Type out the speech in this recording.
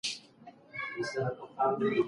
هغه د ناولونو لیکوالان هم پېژني.